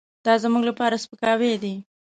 دازموږ لپاره سپکاوی دی .